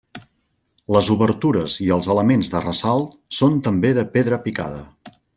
Les obertures i els elements de ressalt són també de pedra picada.